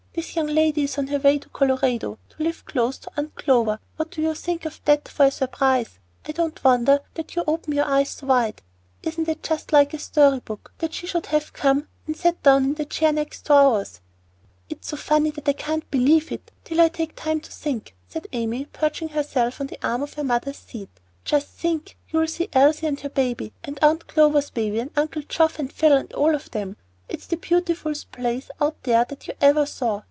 This young lady is on her way to Colorado, to live close to Aunt Clover; what do you think of that for a surprise? I don't wonder that you open your eyes so wide. Isn't it just like a story book that she should have come and sat down in the next chair to ours?" "It's so funny that I can't believe it, till I take time to think," said Amy, perching herself on the arm of her mother's seat. "Just think, you'll see Elsie and her baby, and Aunt Clover's baby, and Uncle Geoff and Phil, and all of them. It's the beautifulest place out there that you ever saw.